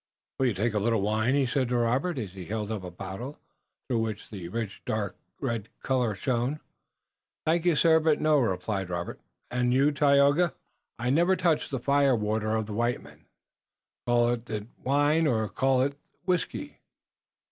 "Will you take a little wine?" he said to Robert, as he held up a bottle, through which the rich dark red color shone. "Thank you, sir, no," replied Robert. "Und you, Tayoga?" "I never touch the firewater of the white man, call they it wine or call they it whiskey."